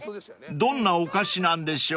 どんなお菓子なんでしょう］